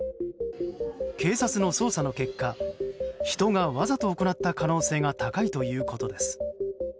警察の捜査の結果人がわざと行った可能性が高いということです。